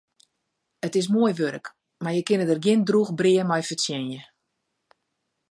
It is moai wurk, mar je kinne der gjin drûch brea mei fertsjinje.